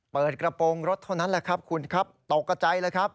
เปิดกระโปรงรถเท่านั้นแหละครับคุณครับตกกระใจเลยครับ